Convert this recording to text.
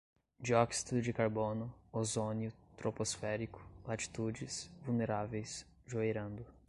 dióxido de carbono, ozônio troposférico, latitudes, vulneráveis, joeirando